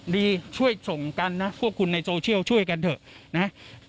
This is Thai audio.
ช่วยส่งกันนะพวกคุณในโซเชียลช่วยกันเถอะนะ